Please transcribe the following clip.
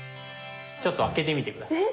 ちょっと開けてみて下さい。